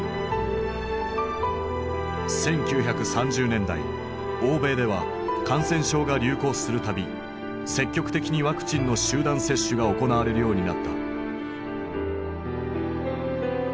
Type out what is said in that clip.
１９３０年代欧米では感染症が流行する度積極的にワクチンの集団接種が行われるようになった。